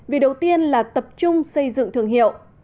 vì đầu tiên là tập trung xây dựng thương hiệu